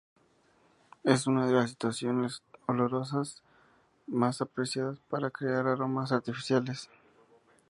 Es una de las sustancias olorosas más apreciadas para crear aromas artificiales.